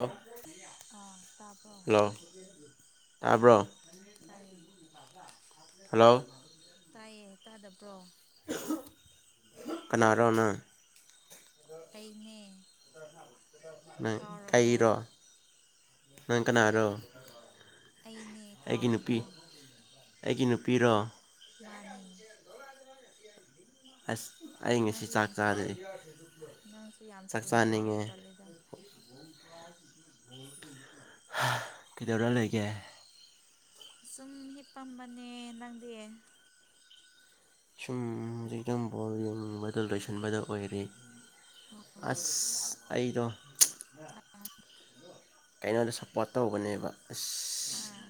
INAUDIBLE ꯑꯥ ꯇꯥꯕ꯭ꯔꯣ ꯇꯥꯏꯌꯦ ꯇꯥꯕ꯭ꯔꯣ ꯇꯥꯏꯌꯦ ꯍꯜꯂꯣ ꯇꯥꯏꯌꯦ ꯇꯥꯗꯕ꯭ꯔꯣ ꯀꯅꯥꯔꯣ ꯅꯪ ꯑꯩꯅꯦ ꯅꯪ ꯀꯥꯎꯔꯕꯣ ꯀꯩꯏꯔꯣ ꯅꯪ ꯀꯅꯥꯔꯣ ꯑꯩꯅꯦ ꯑꯩꯒꯤ ꯀꯥꯎꯔꯕꯣ ꯅꯨꯄꯤ ꯑꯩꯒꯤ ꯅꯨꯄꯤꯔꯣ ꯃꯥꯟꯅꯤ ꯑꯥꯁ ꯑꯩ ꯉꯁꯤ ꯅꯪꯁꯨ ꯆꯥꯛ ꯌꯥꯝ ꯊꯨ ꯆꯥꯔꯦ ꯅꯪꯁꯨ ꯌꯥꯝ ꯊꯨꯅ ꯀꯥꯎꯋꯦ ꯇꯜꯂꯦꯗ ꯍꯥ ꯀꯩꯗꯧꯔꯥ ꯂꯩꯒꯦ ꯁꯨꯝ ꯍꯤꯞꯄꯝꯕꯅꯦ ꯅꯪꯗꯤ UNINTELLIGIBLE ꯑꯥꯁ ꯑꯩꯗꯣ ꯑꯥ ꯀꯩꯅꯣꯗ ꯁꯞꯄꯣꯔꯠ ꯇꯧꯕꯅꯦꯕ ꯑꯁ ꯑꯥ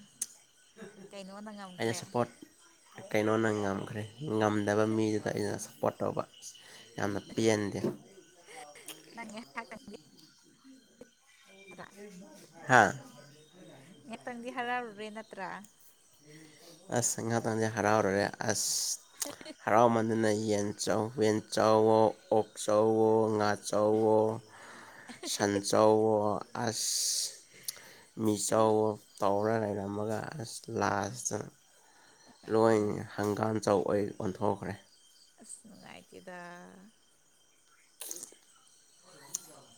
ꯀꯩꯅꯣꯅ [unintelligible] ꯑꯩꯅ ꯉꯝꯈ꯭ꯔꯦ ꯁ ꯞꯄꯣꯔꯠ ꯀꯩꯅꯣꯅ ꯉꯝꯈ꯭ꯔꯦ ꯉꯝꯗꯕ ꯃꯤꯗꯨꯗ ꯑꯩꯩ ꯁꯞ ꯄꯣꯔꯠ ꯇꯧꯕ ꯌꯥꯝꯅ ꯄꯦꯟꯗꯦ ꯅꯪꯒꯤ [unintelligible] [unintelligible] ꯍꯥꯥ ꯉꯥꯛꯇꯪꯗꯤ ꯍꯔꯥꯎꯔꯨꯔꯦ ꯅꯠꯇ꯭ꯔ ꯑꯁ ꯉꯍꯥꯛꯇꯪꯗꯤ ꯍꯔꯥꯎꯔꯔꯦ ꯑꯁ ꯍꯔꯥꯎꯃꯥꯟꯗꯅ ꯑꯩ ꯌꯦꯟ ꯆꯥꯎ ꯌꯦꯟ ꯆꯥꯎꯋꯣ ꯑꯣꯛ ꯆꯥꯎꯋꯣ ꯉꯥ ꯆꯥꯎꯋꯣ ꯁꯟ ꯆꯥꯎꯋꯣ ꯑꯁ ꯃꯤꯆꯥꯎꯋꯣ ꯇꯧꯔ ꯂꯩꯔꯝꯃꯒ ꯑꯁ ꯂꯥꯁꯇ ꯑꯪ ꯂꯣꯏꯅꯤ ꯍꯪꯒꯥꯝꯖꯥꯎ ꯑꯣꯏ ꯑꯣꯊꯑꯣꯛꯈ꯭ꯔꯦ ꯑꯁ ꯅꯨꯡꯉꯥꯏꯇꯦꯗ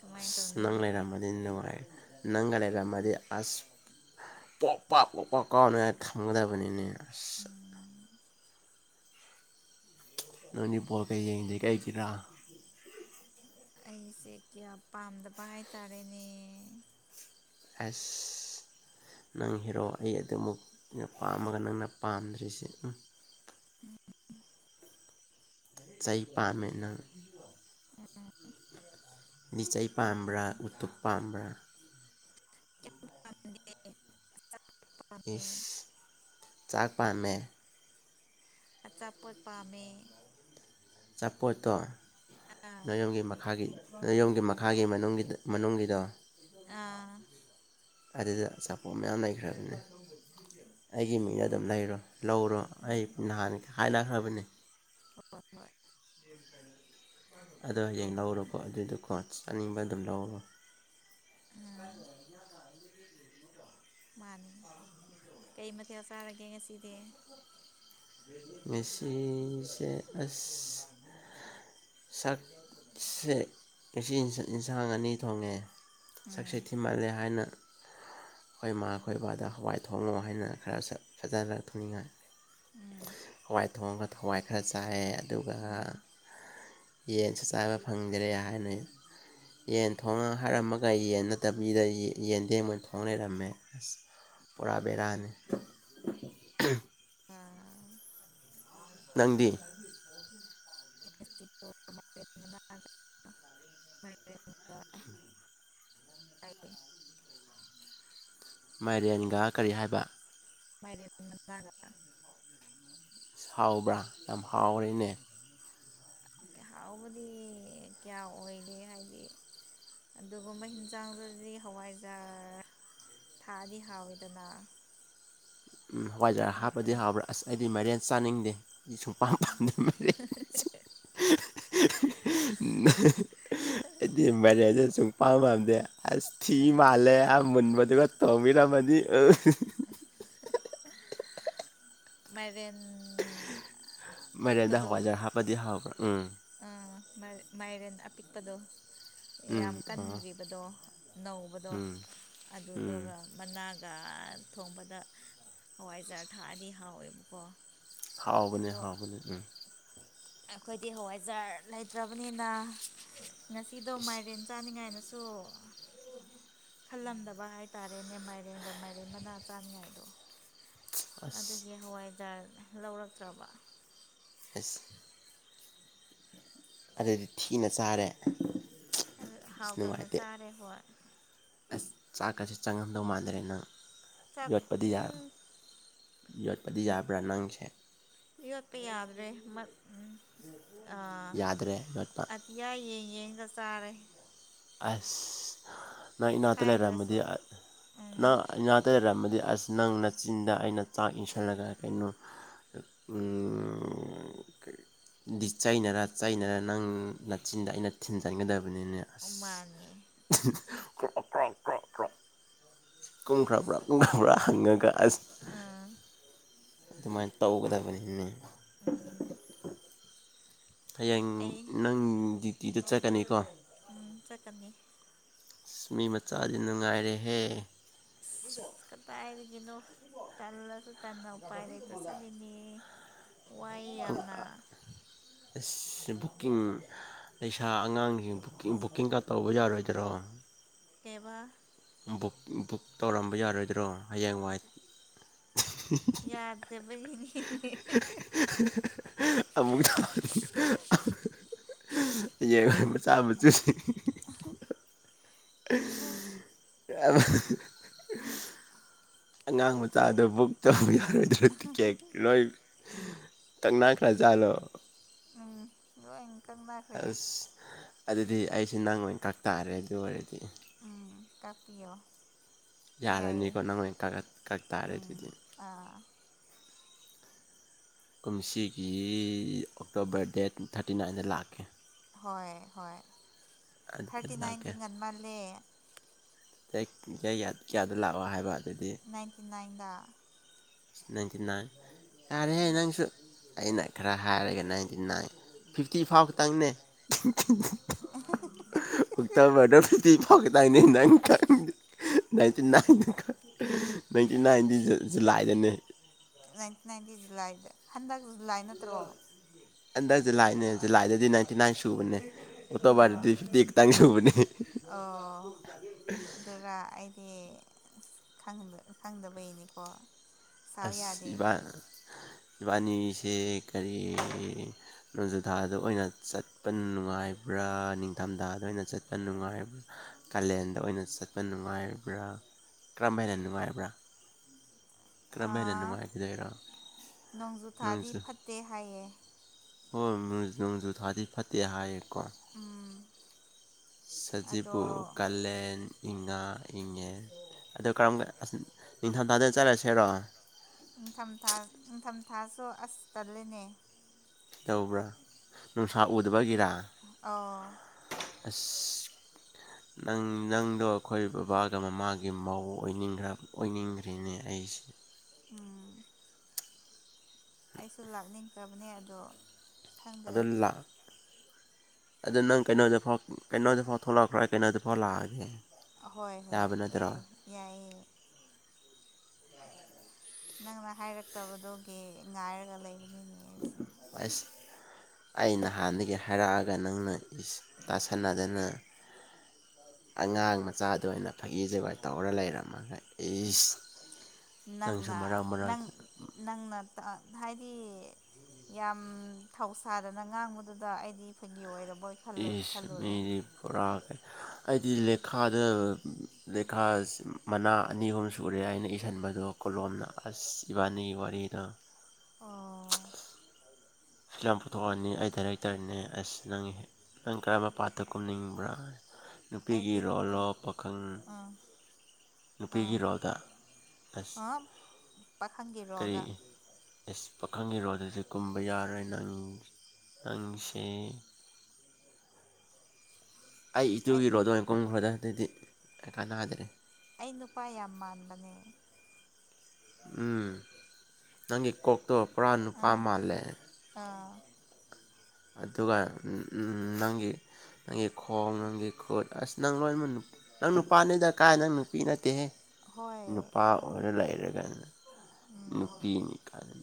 ꯀꯃꯥꯏꯅ ꯑꯁ ꯇꯧꯅꯤ ꯅꯪ ꯂꯩꯔꯝꯃꯗꯤ ꯅꯨꯉꯥꯏ ꯅꯪꯒꯥꯥ ꯂꯩꯔꯝꯃꯗꯤ ꯑꯁ ꯄꯣꯛ ꯄꯥꯛ ꯄꯣꯛ ꯄꯥꯛ ꯀꯥꯎꯅꯉꯥꯏ ꯍꯥꯏ ꯊꯝꯒꯗꯕꯅꯤꯅꯦ ꯑꯁ ꯅꯪꯗꯤ ꯕꯣꯜꯒ ꯌꯦꯡꯗ꯭ꯔꯤ ꯀꯩꯒꯤꯔꯥ ꯑꯩꯁꯦ ꯀꯌꯥ ꯄꯥꯝꯗꯕ ꯍꯥꯏꯇꯥꯔꯦꯅꯦ ꯍꯁ ꯅꯪ ꯍꯦꯔꯣ ꯑꯩ ꯑꯗꯨꯃꯨꯛꯇꯅ ꯄꯥꯝꯃꯒ ꯅꯪꯅ ꯄꯥꯝꯗ꯭ꯔꯤꯁꯤ ꯎꯝ ꯎꯝ ꯆꯩ ꯄꯥꯝꯃꯦ ꯅꯪ ꯂꯤꯆꯩ ꯄꯥꯝꯕ꯭ꯔ ꯎꯇꯨꯞ ꯄꯥꯝꯕ꯭ꯔ [unintelligible] ꯄꯥꯝꯃꯦ ꯏꯁ ꯆꯥꯛ ꯄꯥꯝꯃꯦ ꯑꯆꯥꯄꯣꯠ ꯄꯥꯝꯃꯦ ꯑꯆꯥꯄꯣꯠꯇꯣ ꯑꯥ ꯅꯣꯏꯌꯨꯝꯒꯤ ꯃꯈꯥꯒꯤ ꯅꯣꯏ ꯌꯨꯝꯒꯤ ꯃꯈꯥꯒꯤ ꯃꯅꯨꯡꯒꯤ ꯃꯅꯨꯡꯒꯤꯗꯣ ꯑꯥ ꯑꯗꯨꯗ ꯑꯆꯄꯣꯠ ꯃꯌꯥꯝ ꯂꯩꯈ꯭ꯔꯕꯅꯦ ꯑꯩꯒꯤ ꯃꯤꯡꯗ ꯑꯗꯨꯝ ꯎꯝ ꯂꯩꯔꯣ ꯂꯧꯔꯣ ꯑꯩ ꯅꯍꯥꯟ ꯍꯥꯏꯅꯈ꯭ꯔꯕꯅꯤ ꯍꯣꯏ ꯍꯣꯏ ꯑꯗꯣ ꯍꯌꯦꯡ ꯂꯧꯔꯣꯀꯣ ꯑꯗꯨꯗꯨꯀꯣ ꯆꯥꯅꯤꯡꯕ ꯑꯗꯨꯝ ꯂꯧꯔꯣ ꯑꯥ [unintelligible] ꯃꯥꯅꯤ ꯀꯩ ꯃꯊꯦꯜ ꯆꯥꯔꯒꯦ ꯉꯁꯤꯗꯤ ꯃꯦꯁꯤꯁꯦ ꯑꯁ ꯁꯛꯁꯦ ꯉꯁꯤ ꯏꯟꯁꯥꯡ ꯑꯅꯤ ꯊꯣꯡꯉꯦ ꯁꯛꯁꯦ ꯎꯝ ꯊꯤꯃꯜꯂꯦ ꯍꯥꯏꯅ ꯑꯩꯈꯣꯏ ꯑꯩꯈꯣꯏꯕꯥꯗ ꯍꯋꯥꯏ ꯊꯣꯡꯉꯣ ꯍꯥꯏꯅ ꯈꯔ ꯁꯛ ꯐꯖꯅ ꯊꯣꯡꯅꯤꯡꯉꯥꯏ ꯎꯝ ꯍꯋꯥꯏ ꯊꯣꯡꯉꯒ ꯍꯋꯥꯏ ꯈꯔ ꯆꯥꯏꯌꯦ ꯑꯗꯨꯒ ꯎꯝ ꯉꯔꯥꯡ ꯌꯦꯟꯁꯨ ꯆꯥꯕ ꯐꯪꯗꯔꯦ ꯍꯥꯏꯅ ꯌꯦꯟ ꯊꯣꯡꯉꯣ ꯍꯥꯏꯔꯝꯃꯒ ꯌꯦꯟ ꯅꯠꯇꯕꯤꯗ ꯌꯦ ꯌꯦꯟꯗꯦꯡ ꯑꯣꯏꯅ ꯊꯣꯡ ꯂꯩꯔꯝꯃꯦ ꯑꯁ ꯄꯨꯔꯥ ꯕꯦꯔꯥꯅꯤ ꯑꯥ ꯅꯪꯗꯤ [unintelligible] ꯉꯁꯤꯗꯣ ꯃꯥꯏꯔꯦꯟ ꯃꯅꯥꯒ ꯃꯥꯏꯔꯦꯟꯒ ꯆꯥꯏꯌꯦ [unintelligible] ꯃꯥꯏꯔꯦꯟꯒ ꯀꯔꯤ ꯍꯥꯏꯕ [unintelligible] ꯍꯥꯎꯕ꯭ꯔꯥ ꯌꯥꯝ ꯍꯥꯎꯔꯦꯅꯦ ꯍꯥꯎꯕꯗꯤ ꯀꯌꯥ ꯑꯣꯏꯗꯦ ꯍꯥꯏꯗꯤ ꯑꯗꯨꯒꯨꯝꯕ ꯍꯤꯟꯖꯥꯡꯗꯨꯗꯤ ꯍꯋꯥꯏꯖꯥꯔ ꯊꯥꯛꯑꯗꯤ ꯍꯥꯎꯋꯦꯗꯅ ꯎꯝ ꯍꯋꯥꯏꯖꯔꯥ ꯍꯥꯞꯄꯗꯤ ꯍꯥꯎꯕ꯭ꯔꯥ ꯑꯁ ꯑꯩꯗꯤ ꯃꯔꯦꯟ ꯆꯥꯅꯤꯡꯗꯦ ꯑꯩ ꯁꯨꯛꯄꯥꯝ ꯄꯥꯝꯗꯦ ꯃꯥꯏꯔꯦꯟꯁꯦ ꯑꯩꯗꯤ ꯃꯥꯏꯔꯦꯟꯁꯦ ꯁꯨꯝ ꯄꯥꯝꯕꯝ ꯑꯗꯦ ꯑꯁ ꯊꯤ ꯃꯥꯂꯦ ꯃꯟꯕꯗꯨꯒ ꯇꯣꯡꯕꯤꯔꯝꯃꯗꯤ ꯃꯥꯏꯔꯦꯟ ꯃꯌꯥꯦꯟꯗ ꯄꯤꯛꯄꯗꯣ ꯍꯋꯥꯏꯖꯔ ꯍꯥꯞꯄꯗꯤ ꯍꯥꯎꯕ꯭ꯔꯥ ꯎꯝ ꯑꯥ ꯃ ꯃꯥꯏꯔꯦꯟ ꯑꯄꯤꯛꯄꯗꯣ ꯎꯝ ꯌꯥꯝ ꯑꯣ ꯀꯟꯗ꯭ꯔꯤꯕꯗꯣ ꯅꯧꯕꯗꯣ ꯎꯝ ꯎꯝ ꯑꯗꯨꯗꯨꯒ ꯃꯅꯥꯒ ꯒꯥ ꯊꯣꯡꯕꯗ ꯍꯋꯥꯏꯖꯥꯔ ꯊꯥꯛꯑꯗꯤ ꯍꯥꯎꯋꯦꯕꯀꯣ ꯍꯥꯎꯕꯅꯦ ꯑꯗꯣ ꯍꯥꯎꯕꯅꯦ ꯎꯝ ꯑꯩꯈꯣꯏꯗꯤ ꯍꯋꯥꯏꯖꯥꯔ ꯂꯩꯇ꯭ꯔꯕꯅꯤꯅ ꯉꯁꯤꯗꯣ ꯃꯥꯏꯔꯦꯟ ꯆꯥꯅꯤꯡꯉꯥꯏꯅꯁꯨ [inaudible] ꯈꯜꯂꯝꯗꯕ ꯍꯥꯏꯇꯥꯔꯦꯅꯦ ꯃꯥꯏꯔꯦꯅꯒ ꯃꯥꯏꯔꯦꯅ ꯃꯅꯥ ꯆꯥꯅꯤꯡꯉꯥꯏꯗꯣ ꯑꯁ ꯑꯗꯨꯒꯤ ꯍꯋꯥꯏꯖꯥꯔ ꯂꯧꯔꯛꯇ꯭ꯔꯕ ꯑꯁ ꯑꯗꯨꯗꯤ ꯊꯤꯅ ꯆꯥꯔꯦ ꯑꯗꯨ ꯑꯁ ꯍꯥꯎꯇꯅ ꯅꯨꯡꯉꯥꯏꯇꯦ ꯆꯥꯔꯦ ꯍꯣꯏ ꯑꯁ ꯆꯥꯛꯀꯁꯦ ꯆꯪꯉꯝꯗꯧ ꯃꯥꯟꯗ꯭ꯔꯦ ꯅꯪ ꯆꯥꯛ ꯌꯣꯠꯄꯗꯤ ꯎꯝ ꯌꯣꯠꯄꯗꯤ ꯌꯥꯕ꯭ꯔꯥ ꯅꯪꯁꯦ ꯌꯣꯠꯄ ꯌꯥꯗ꯭ꯔꯦ ꯃ ꯌꯥꯥꯗ꯭ꯔꯦ ꯌꯣꯠꯄ ꯑꯇꯤꯌꯥ ꯌꯦꯡ ꯌꯦꯡꯒ ꯆꯥꯔꯦ ꯑꯁ ꯅꯪ ꯏꯅꯥꯛꯇ ꯁꯥꯏꯗ꯭ꯔꯁꯨ ꯂꯩꯔꯝꯝꯃꯗꯤ ꯅꯪ ꯎꯝ ꯏꯅꯥꯥꯛꯇ ꯂꯩꯔꯝꯃꯗꯤ ꯑꯁ ꯅꯪ ꯅꯆꯤꯟꯗ ꯑꯩꯅ ꯆꯥꯛ ꯏꯟꯁꯤꯜꯂꯒ ꯀꯩꯅꯣ [unintelligible] ꯗꯤ ꯆꯩꯅꯔ ꯆꯩꯅꯔ ꯅꯪ ꯅꯥꯆꯤꯟꯗ ꯑꯩꯅ ꯊꯤꯟꯖꯟꯒꯗꯕꯅꯦ ꯅꯪ ꯑꯧ ꯃꯥꯅꯦ ꯀꯨꯝꯈꯔꯕ ꯀꯨꯝꯈꯔꯕ ꯍꯪꯉꯒ ꯑꯥ ꯑꯗꯨꯃꯥꯏꯅ ꯇꯧꯒꯗꯕꯅꯤꯅꯦ ꯎꯝ ꯍꯌꯦꯡ ꯅꯪ ꯗ꯭ꯌꯨꯇꯤꯗ ꯆꯠꯀꯅꯤꯀꯣ ꯎꯝ ꯆꯠꯀꯅꯤ ꯃꯤ ꯃꯆꯥꯗꯤ ꯅꯨꯡꯉꯥꯏꯔꯦꯍꯦ ꯑꯁ ꯀꯗꯥꯏꯗꯒꯤꯅꯣ ꯇꯜꯂꯁꯨ ꯇꯟꯅ ꯎꯄꯥꯏ ꯂꯩꯇ ꯆꯠꯂꯤꯅꯦ ꯋꯥꯏ ꯌꯥꯝꯅ ꯑꯁ ꯕꯨꯛꯀꯤꯡ ꯂꯩꯁꯥ ꯑꯉꯥꯡꯁꯤꯡ ꯕꯨꯀꯤꯡ ꯕꯨꯛꯀꯤꯡꯒ ꯇꯧꯕ ꯌꯥꯔꯣꯏꯗꯔꯣ ꯑꯝ ꯀꯩꯕ ꯕꯨꯛ ꯕꯨꯛ ꯇꯧꯔꯝꯕ ꯌꯥꯔꯣꯏꯗ꯭ꯔꯣ ꯍꯌꯦꯡꯋꯥꯏ ꯌꯥꯗꯕꯩ [unintelligible] ꯑꯃꯨꯛ [unintelligible] [unintelligible] ꯌꯦꯡ ꯃꯆꯥꯥ ꯃꯆꯨꯁꯤꯡ [unintelligible] ꯑꯉꯥꯡ ꯃꯆꯥꯗꯣ ꯕꯨꯛ ꯇꯧ [unintelligible] [unintelligible] ꯇꯤꯀꯦꯛ ꯂꯣꯏ ꯇꯪꯅꯈ꯭ꯔꯖꯥꯠꯂꫭ ꯂꫭꯏꯟ ꯀꯛꯅꯈ꯭ꯔꯦ ꯑꯗꯨꯗꯤ ꯑꯩꯁꯦ ꯅꯪ ꯑꯣꯏ ꯀꯛ ꯇꯥꯔꯦ ꯑꯗꯨ ꯑꯣꯏꯔꯗꯤ ꯎꯝ ꯀꯛꯄꯤꯌꯣ ꯌꯥꯔꯅꯤꯀꯣ ꯅꯪ ꯑꫭꯏ [unintelligible] ꯀꯛ ꯇꯥꯥꯔꯦ ꯎꯝ ꯑꯗꯨꯗꯤ ꯑꯥ ꯀꯨꯝꯁꯤꯒꯤ ꯑꯣꯛꯇꯣꯕꯔ ꯗꯦꯠ ꯊꯥꯔꯇꯤ ꯅꯥꯏꯟꯗ ꯂꯥꯛꯀꯦ ꯍꯣꯏ ꯍꯣꯏ ꯑꯗꯨꯗ ꯊꯥꯔꯇꯤ ꯅꯥꯏꯟꯗꯤ ꯂꯥꯛꯀꯦ ꯉꯟꯃꯟꯂꯦ [unintelligible] ꯀꯌꯥꯗ ꯂꯥꯛꯑꯣ ꯍꯥꯏꯕ ꯑꯗꯨꯗꯤ ꯅꯥꯏꯟꯇꯤ ꯅꯥꯏꯟꯗ ꯅꯥꯏꯟꯇꯤ ꯅꯥꯏꯟ ꯌꯥꯔꯦꯍꯦ ꯅꯪꯁꯨ ꯑꯩꯅ ꯈꯔ ꯍꯥꯏꯔꯒ ꯅꯥꯏꯟꯇꯤꯅꯥꯏꯟ ꯐꯤꯞꯇꯤ ꯐꯥꯎꯕ ꯇꯪꯅꯦ [unintelligible] [unintelligible] ꯑꯣꯛꯇꯣꯕꯔꯗ ꯐꯤꯞꯇꯤ ꯐꯥꯎ ꯈꯇꯪꯅꯦ ꯅꯪ ꯈꯪ ꯅꯥꯏꯟꯇꯤ ꯅꯥꯏꯟꯇ [unintelligible] ꯅꯥꯏꯟꯇꯤ ꯅꯥꯏꯟꯗꯤ ꯖꯨꯂꯥꯏ ꯅꯥꯏꯟꯇꯤ ꯅꯥꯏꯟꯗꯤ ꯖꯨꯂꯥꯏꯗ ꯍꯟꯗꯛ ꯖꯨꯂꯥꯏ ꯅꯠꯇ꯭ꯔꯣ ꯍꯟꯗꯛ ꯖꯨꯂꯥꯏꯅꯦ ꯖꯨꯂꯥꯏꯗꯗꯤ ꯅꯥꯏꯟꯇꯤ ꯅꯥꯏꯟ ꯁꯨꯕꯅꯦ ꯑꯣꯇꯣꯕꯔꯗꯗꯤ ꯐꯤꯞꯇꯤ ꯈꯛꯇ ꯁꯨꯕꯅꯦ [unintelligible] [unintelligible] ꯈꯪꯗ ꯈꯪꯗꯕꯩꯅꯤꯀꫭ ꯑꯁ ꯏꯕꯥ ꯏꯕꯥꯅꯤꯁꯦ ꯀꯔꯤ ꯅꯣꯡꯖꯨꯊꯥꯗ ꯑꯣꯏꯅ ꯆꯠꯄ ꯅꯨꯡꯉꯥꯏꯕ꯭ꯔ ꯅꯤꯡꯗꯝꯗꯥꯗ ꯑꯣꯏꯅ ꯆꯠꯄ ꯅꯨꯡꯉꯥꯏꯕ꯭ꯔ ꯀꯥꯂꯦꯟꯗ ꯑꯣꯏꯅ ꯆꯠꯄ ꯅꯨꯡꯉꯥꯏꯕ꯭ꯔ ꯀꯔꯝꯕ ꯍꯦꯟꯅ ꯅꯨꯡꯉꯥꯏꯕ꯭ꯔ ꯑꯥ ꯅꯣꯡꯖꯨꯊꯥꯗꯤ ꯅꯣꯡꯖꯨ ꯐꯠꯇꯦ ꯍꯥꯏꯌꯦ ꯍꯣꯏ [unintelligible] ꯅꯣꯡꯖꯨ ꯊꯥꯗꯤ ꯐꯠꯇꯦ ꯍꯥꯏ ꯀꯣ ꯎꯝ ꯑꯗꯣ ꯁꯖꯤꯕꯨ ꯀꯥꯂꯦꯟ ꯏꯪꯉꯥ ꯏꯉꯦꯟ ꯑꯗꯨ ꯀꯔꯝ ꯅꯤꯡ ꯊꯝꯊꯥꯗ ꯆꯠꯂꯁꯤꯔꯣ ꯊꯥꯁꯨ ꯑꯁ ꯇꯜꯂꯤꯅꯦ ꯇꯧꯕ꯭ꯔ ꯅꯨꯡꯁꯥ ꯎꯗꯕꯒꯤꯔ ꯑꯧ ꯑꯁ ꯅꯪ ꯅꯪꯗꯣ ꯑꯈꯣꯏ ꯕꯕꯥꯒ ꯃꯃꯥꯒꯤ ꯃꯧ ꯑꯣꯏꯅꯤꯡꯈ꯭ꯔ ꯑꯣꯏꯅꯤꯡꯈ꯭ꯔꯦꯅꯦ ꯑꯩꯁꯦ ꯎꯝ ꯈ꯭ꯔꯕꯅꯦ ꯑꯗꯣ ꯈꯪꯗ꯭ꯔꯦ ꯑꯗꫭ ꯂꯥ ꯑꯗꯨ ꯅꯪ ꯀꯩꯅꯣꯗ ꯐꯥꯎ ꯀꯩꯅꯣꯗꯐꯥꯎ ꯊꯣꯛꯂꯛꯈ꯭ꯔꫭ‌ ꯑꯩ ꯀꯩꯅꯣꯗ ꯐꯥꯎ ꯂꯥꯛꯑꯒꯦ ꯍꯣꯏ ꯍꯣꯏ ꯌꯥꯕ ꯅꯠꯇ꯭ꯔꯣ ꯌꯥꯏ ꯌꯥꯏꯌꯦ [inaudible] ꯅꯪꯅ ꯍꯥꯏꯔꯛꯇꯕꯗꯨꯒꯤ ꯉꯥꯏꯔꯒ ꯂꯩꯕ ꯑꯁ ꯑꯩ ꯅꯍꯥꯟꯗꯒꯤ ꯍꯥꯏꯔꯛꯑꯒ ꯅꯪꯅ ꯏꯁ ꯇꯥꯁꯟꯅꯗꯅ ꯑꯉꯥꯡ ꯃꯆꯥꯗ ꯑꯣꯏꯅ ꯐꯥꯒꯤ ꯖꫭꯒꯥꯏ ꯇꯧꯔ ꯂꯩꯔꯝꯃꯒ ꯏꯁ ꯅꯪꯁꯨ ꯅꯪꯅ ꯃꯔꯛ ꯅꯪ ꯃꯔꯛꯇ ꯅꯪꯅ ꯇ ꯍꯥꯏꯗꯤ ꯌꯥꯝ ꯊꯧꯁꯥꯗꯅ ꯉꯥꯡꯕꯗꯨꯗ ꯑꯩꯗꯤ ꯐꯥꯒꯤ ꯑꯣꯏꯔ ꯏꯁ ꯃꯤꯗꯤ ꯄꯨꯔꯥ ꯑꯩꯗꯤ ꯂꯦꯈꯥꯗ ꯂꯦꯈꯥ ꯃꯅꯥ ꯑꯅꯤ ꯑꯍꯨꯝ ꯁꯨꯔꯦ ꯑꯩꯅ ꯏꯁꯤꯟꯕꯗꯣ ꯀꯣꯂꯣꯝꯅ ꯑꯁ ꯏꯕꯥꯅꯤꯒꯤ ꯋꯥꯔꯤꯗꯣ ꯑꯣ ꯐꯤꯂꯝ ꯄꯨꯊꯣꯛꯑꯅꯤ ꯑꯩ ꯗꯥꯏꯔꯦꯛꯇꯔꯅꯦ ꯑꯁ ꯅꯪ ꯅꯪ ꯀꯔꯝꯕ ꯄꯥꯠꯇ ꯀꯨꯝꯅꯤꯡꯕ꯭ꯔ ꯅꯨꯄꯤꯒꯤ ꯑꯩꯗꯤ ꯔꯣꯜꯂꯣ ꯄꯥꯈꯪ ꯑꯥ ꯅꯨꯄꯤꯒꯤ ꯑꯥ ꯔꯣꯜꯗ ꯑꯁ ꯑꯥ ꯄꯥꯈꯪꯒꯤ ꯀꯔꯤ ꯔꯣꯜꯗ ꯏꯁ ꯄꯥꯈꯪꯒꯤ ꯔꯣꯜꯗꯗꯤ ꯀꯨꯝꯕ ꯌꯥꯔꯣꯏ ꯅꯪ ꯅꯪꯁꯦ ꯑꯩ ꯏꯇꯨꯒꯤ ꯔꯣꯜꯗ ꯑꯣꯏ ꯀꯨꯝꯈ꯭ꯔꯣꯗ ꯑꯗꯨꯗꯤ ꯀꯩ ꯀꯥꯟꯅꯗꯦ ꯑꯩ ꯅꯨꯄꯥ ꯌꯥꯝ ꯃꯥꯟꯕꯅꯦ ꯎꯝ ꯅꯪꯒꯤ ꯀꯣꯛꯇꯣ ꯄꯨꯔꯥ ꯅꯨꯄꯥ ꯑꯥ ꯃꯥꯜꯂꯦ ꯑꯥ ꯑꯗꯨꯒ ꯅꯪꯒꯤ ꯅꯪꯒꯤ ꯈꯣꯡ ꯅꯪꯒꯤ ꯈꯨꯠ ꯑꯁ ꯅꯪ ꯂꯣꯏꯅꯃꯛ ꯅꯪ ꯅꯨ ꯄꯥꯅꯦꯗ ꯀꯥꯏ ꯅꯪ ꯅꯨꯄꯤ ꯅꯠꯇꯦꯍꯦ ꯍꯣꯏ ꯅꯨꯄꯥ ꯑꯣꯏꯔ ꯃꯥꯅꯦ ꯂꯩꯔꯒ ꯎꯝ ꯅꯨꯄꯤꯅꯤ ꯀꯥꯏꯅ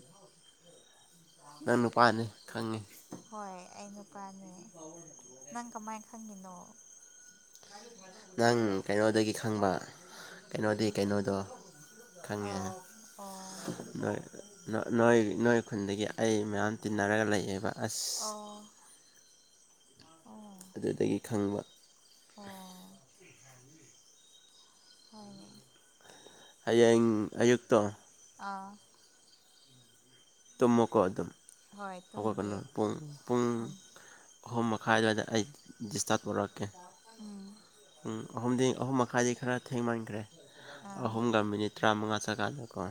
ꯅꯪ ꯅꯨꯄꯥꯅꯦ ꯈꯪꯉꯦ ꯍꯣꯏ ꯑꯩ ꯅꯨꯄꯥꯅꯦ ꯅꯪ ꯀꯝꯃꯥꯏ ꯈꯪꯉꯤꯅꯣ ꯅꯪ ꯀꯩꯅꯣꯗꯒꯤ ꯈꯪꯕ ꯀꯩꯅꯣꯗꯤ ꯀꯩꯅꯣꯗꯣ ꯈꯪꯉꯦ ꯑꯥ ꯑꯣ ꯅꯪ ꯅꯣꯏ ꯅꯣꯏ ꯅꯣꯏ ꯈꯨꯟꯗꯒꯤ ꯑꯩ ꯃꯌꯥꯝ ꯇꯤꯟꯅꯔꯒ ꯂꯩꯌꯦꯕ ꯑꯁ ꯑꯣ ꯑꯣ ꯑꯗꯨꯗꯒꯤ ꯈꯪꯕ ꯑꯣ ꯍꯣꯏꯅꯦ ꯍꯌꯦꯡ ꯑꯌꯨꯛꯇꯣ ꯑꯥꯎ ꯇꯨꯝꯃꯣꯀꯣ ꯑꯗꯨꯝ ꯍꯣꯏ ꯍꯧꯒꯠꯀꯅꯨ ꯇꯨꯝꯒꯦ ꯄꯨꯡ ꯄꯨꯡ ꯎꯝ ꯑꯍꯨꯝ ꯃꯈꯥꯏ ꯑꯗ꯭ꯋꯥꯏꯗ ꯑꯩ ꯗꯤꯁꯇꯞ ꯇꯧꯔꯛꯀꯦ ꯎꯝ ꯄꯨꯡ ꯑꯍꯨꯝꯗꯤ ꯑꯍꯨꯝ ꯃꯈꯥꯏꯗꯤ ꯈꯔ ꯊꯦꯡꯃꯟꯈ꯭ꯔꯦ ꯑꯍꯨꯝꯒ ꯃꯤꯅꯤꯠ ꯇꯔꯥꯃꯉꯥ ꯆꯠꯀꯥꯟꯗꯀꯣ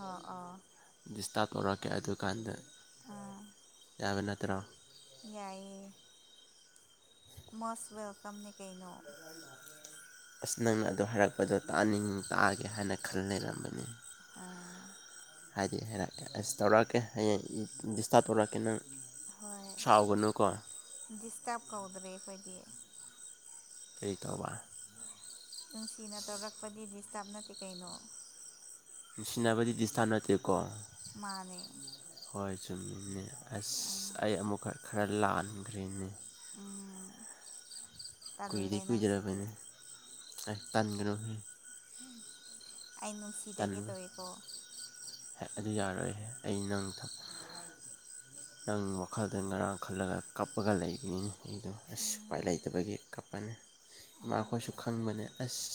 ꯑꯥꯎ ꯑꯥꯎ ꯗꯤꯁꯇꯞ ꯇꯧꯔꯛꯀꯦ ꯑꯗꯨ ꯀꯥꯟꯗ ꯑꯥ ꯌꯥꯕ ꯅꯠꯇ꯭ꯔꯣ ꯌꯥꯏꯌꯦ ꯃꯣꯁ ꯋꯦꯜꯀꯝꯅꯦ ꯀꯩꯅꯣ ꯑꯁ ꯅꯪꯅ ꯑꯗꯨ ꯍꯥꯏꯔꯛꯄꯗꯣ ꯇꯥꯛꯅꯤꯡ ꯇꯥꯒꯦ ꯍꯥꯏꯅ ꯈꯜ ꯂꯩꯔꯝꯕꯅꯦ ꯑꫭ ꯍꯥꯏꯗꯤ ꯍꯥꯏꯔꯛꯀꯦ ꯑꯁ ꯇꯧꯔꯛꯀꯦ ꯍꯌꯦꯡ ꯗꯤꯁꯇꯞ ꯇꯧꯔꯛꯀꯦ ꯅꯪ ꯍꯣꯏ ꯁꯥꯎꯒꯅꯨꯀꯣ ꯗꯤꯁꯇꯞ ꯀꯧꯗ꯭ꯔꯦ ꯑꯈꯣꯏꯗꯤ ꯀꯩ ꯀꯧꯕ ꯅꯨꯡꯁꯤꯅ ꯇꯧꯔꯛꯄꯗꯤ ꯗꯤꯁꯇꯞ ꯅꯠꯇꯦ ꯀꯩꯅꯣ ꯅꯨꯡꯁꯤꯅꯕꯗꯤ ꯗꯤꯁꯇꯥꯞ ꯅꯠꯇꯦ ꯃꯥꯅꯦ ꯍꯣꯏ ꯆꯨꯝꯃꯤꯅꯦ ꯑꯁ ꯑꯥ ꯑꯩ ꯑꯃꯨꯛꯀ ꯈꯔ ꯂꯥꯟꯈ꯭ꯔꯦꯅꯦ ꯎꯝ ꯀꯨꯏꯗꯤ ꯇꯜꯂꯦ ꯅꯪꯁꯤꯗꯤ ꯀꯨꯏꯗ꯭ꯔꯕꯅꯤ ꯑꯥꯏ ꯇꯟꯒꯅꯣꯍꯦ ꯑꯩ ꯅꯨꯡꯁꯤꯗꯒꯦ ꯇꯟꯕ ꯇꯧꯋꯤꯀꯣ ꯑꯗꯨ ꯌꯥꯔꯣꯏꯍꯦ ꯑꯩ ꯅꯪ ꯅꯪ ꯋꯥꯈꯜꯗ ꯉꯔꯥꯡ ꯈꯜꯂꯒ ꯀꯞꯄꯒ ꯂꯩꯒꯅꯤ ꯑꯩꯗꯣ ꯑꯁ ꯎꯄꯥꯏ ꯂꯩꯇꯕꯒꯤ ꯀꯞꯄꯅꯦ ꯑꯥ ꯏꯃꯥꯈꯣꯏꯁꯨ ꯈꯪꯕꯅꯦ ꯑꯁ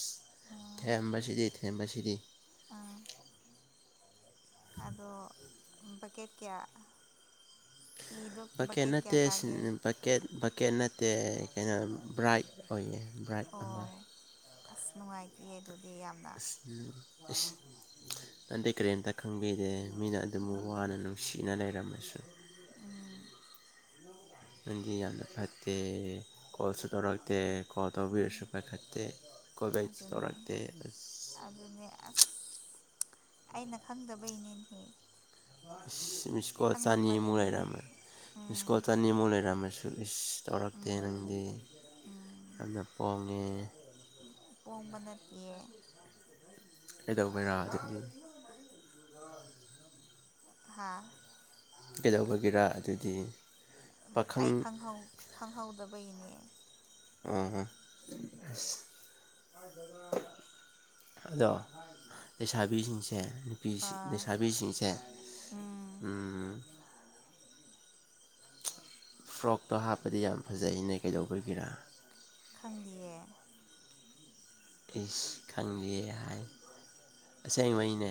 ꯑꯥ ꯊꯦꯝꯕꯁꯤꯗꯤ ꯊꯦꯝꯕꯁꯤꯗꯤ ꯑꯥ ꯑꯗꯣ ꯕꯛꯀꯦꯠ ꯀꯌꯥ ꯄꯤꯗꯣ ꯕꯛꯀꯦꯠ ꯀꯌꯥ ꯅꯠꯇꯦ ꯇꯥꯒꯦ [unintelligible] ꯕꯛꯀꯦꯠ ꯅꯠꯇꯦ ꯀꯩꯅꯣ ꯕ꯭ꯔꯥꯏꯠ ꯑꯣꯏꯌꯦ ꯕ꯭ꯔꯥꯏꯠ ꯑꯣ ꯑꯃ ꯑꯁ ꯅꯨꯡꯉꯥꯏꯇꯤꯌꯦ ꯑꯁ ꯎꯝ [unintelligible] ꯅꯪꯗꯤ ꯀꯔꯤꯝꯇ ꯈꯪꯕꯤꯗꯦ ꯃꯤꯅ ꯑꯗꯨꯝ ꯎꯝ ꯋꯥꯅ ꯅꯨꯡꯁꯤꯅ ꯂꯩꯔꯝꯃꯁꯨ ꯎꯝ ꯅꯪꯗꯤ ꯌꯥꯝꯅ ꯐꯠꯇꯦ ꯀꯣꯜꯁꯨ ꯇꯧꯔꯛꯇꯦ ꯀꯣꯜ ꯇꯧꯕꯤꯔꯁꯨ ꯎꯝ ꯄꯥꯏꯈꯠꯇꯦ ꯀꯣꯜ ꯕꯦꯛꯁꯨ ꯑꯗꯨꯅꯦ ꯇꯧꯔꯛꯇꯦ [unintelligible] ꯑꯗꯨꯅꯦ ꯑꯁ ꯑꯩꯅ ꯈꯪꯗꯕꯩꯅꯤꯅꯦꯍꯦ ꯏꯁ ꯃꯤꯁꯀꫭꯜ ꯆꯅꯤꯃꯨꯛ ꯂꯩꯔꯝꯃꯦ ꯎꯝ ꯃꯤꯁꯀꫭꯜ ꯆꯅꯤꯃꯨꯛ ꯂꯩꯔꯝꯃꯁꯨ ꯏꯁ ꯇꯧꯔꯛꯇꯦ ꯎꯝ ꯅꯪꯗꯤ ꯎꯝ ꯌꯥꯝꯅ ꯄꯣꯡꯉꯦ ꯄꯣꯡꯕ ꯅꯠꯇꯤꯌꯦ ꯀꯩꯗꯧꯕꯩꯔ ꯑꯗꯨꯗꯤ ꯍꯥ ꯀꯩꯗꯧꯕꯒꯤꯔꯥ ꯑꯗꯨꯗꯤ ꯄꯥꯈꯪ ꯑꯩ ꯈꯪꯍꯧ ꯈꯪꯍꯧꯗꯕꯩꯅꯦ ꯑꯣꯑꯣ ꯑꯁ [unintelligible] ꯑꯗꯣ ꯂꯩꯁꯥꯕꯤꯁꯤꯡ ꯁꯦ ꯅꯨꯄꯤ ꯑꯥ ꯂꯩꯁꯥꯕꯤꯁꯤꯡꯁꯦ ꯎꯝ ꯎꯝ ꯐ꯭ꯔꯣꯛꯇꯣ ꯍꯥꯞꯄꯗꯤ ꯌꯥꯝ ꯐꯖꯩꯅꯦ ꯀꯩꯗꯧꯕꯒꯤꯔ ꯈꯪꯗꯤꯌꯦ ꯏꯁ ꯈꯪꯗꯤꯌꯦ ꯍꯥꯏ ꯑꯁꯦꯡꯕꯩꯅꯦ